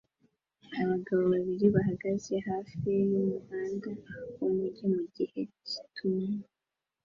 Abagabo babiri bahagaze hafi yumuhanda wumujyi mugihe cyitumba